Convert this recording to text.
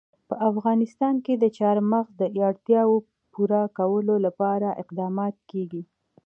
په افغانستان کې د چار مغز د اړتیاوو پوره کولو لپاره اقدامات کېږي.